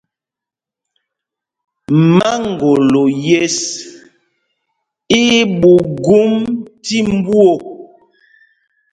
Maŋgolo yes í í ɓuu gum tí mbú o.